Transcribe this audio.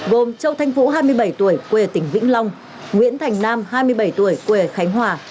gồm châu thanh phú hai mươi bảy tuổi quê tỉnh vĩnh long nguyễn thành nam hai mươi bảy tuổi quê khánh hòa